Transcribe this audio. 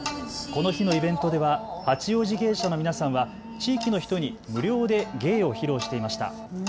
この日のイベントでは八王子芸者の皆さんは地域の人に無料で芸を披露していました。